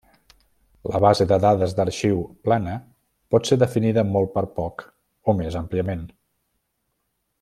La base de dades d'arxiu plana pot ser definida molt per poc, o més àmpliament.